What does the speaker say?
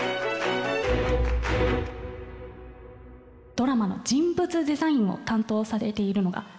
ドラマの人物デザインを担当されているのが柘植さんです。